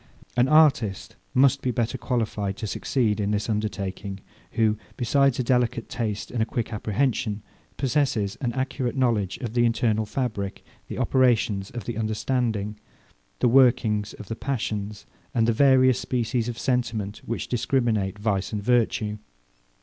An artist must be better qualified to succeed in this undertaking, who, besides a delicate taste and a quick apprehension, possesses an accurate knowledge of the internal fabric, the operations of the understanding, the workings of the passions, and the various species of sentiment which discriminate vice and virtue.